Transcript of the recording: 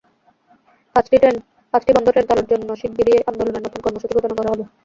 পাঁচটি বন্ধ ট্রেন চালুর জন্য শিগগিরই আন্দোলনের নতুন কর্মসূচি ঘোষণা করা হবে।